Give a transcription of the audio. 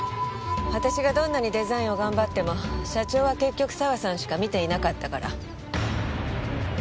私がどんなにデザインを頑張っても社長は結局佐和さんしか見ていなかったから。